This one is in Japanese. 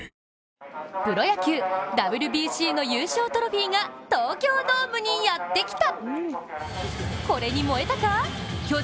プロ野球、ＷＢＣの優勝トロフィーが東京ドームにやってきた。